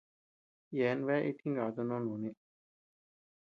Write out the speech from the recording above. Yeabean bea itjingatu noo nùni.